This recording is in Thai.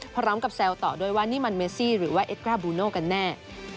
แซวต่อด้วยว่านี่มันเมซี่หรือว่าเอ็กกราบูโน่กันแน่